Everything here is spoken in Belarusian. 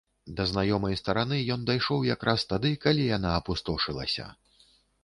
Да знаёмай стараны ён дайшоў якраз тады, калі яна апустошылася.